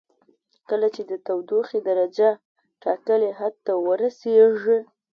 کله چې د تودوخې درجه ټاکلي حد ته ورسیږي.